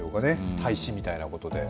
大使みたいなことで。